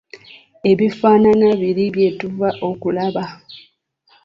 Ebifaanana biri bye tuva okulaba.